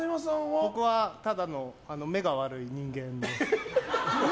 僕はただの目が悪い人間。